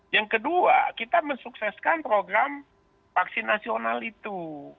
yang kedua kita mensukseskan program vaksin nasional itu